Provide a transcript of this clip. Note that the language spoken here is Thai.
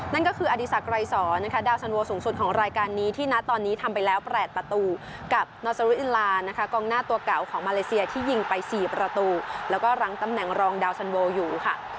นั่นก็คืออดีศักดรายสอนนะคะดาวสันโวสูงสุดของรายการนี้ที่ณตอนนี้ทำไปแล้ว๘ประตูกับนอสรุอินลานะคะกองหน้าตัวเก่าของมาเลเซียที่ยิงไป๔ประตูแล้วก็รั้งตำแหน่งรองดาวสันโวอยู่ค่ะ